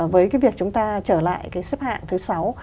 với cái việc chúng ta trở lại cái xếp hạng thứ sáu